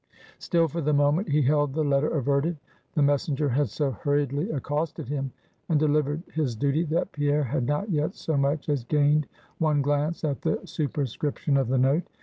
Still for the moment he held the letter averted. The messenger had so hurriedly accosted him, and delivered his duty, that Pierre had not yet so much as gained one glance at the superscription of the note.